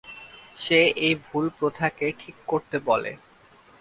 সে এই ভুল প্রথাকে ঠিক করতে বলে।